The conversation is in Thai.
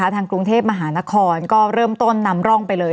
ทางกรุงเทพมหานครก็เริ่มต้นนำร่องไปเลย